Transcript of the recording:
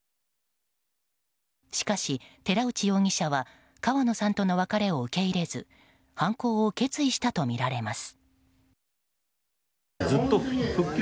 しかし、寺内容疑者は川野さんとの別れを受け入れず犯行を決意したとみられます。